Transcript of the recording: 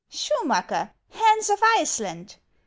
" Schumacker ! Hans of Iceland